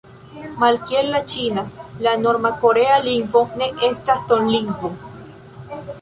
Malkiel la ĉina, la norma korea lingvo ne estas tonlingvo.